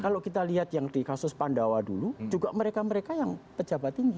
kalau kita lihat yang di kasus pandawa dulu juga mereka mereka yang pejabat tinggi